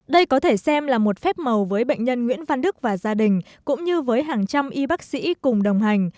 đây có thể xem là một phép màu với bệnh nhân nguyễn văn đức và gia đình cũng như với hàng trăm y bác sĩ cùng đồng hành